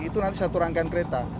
itu nanti satu rangkaian kereta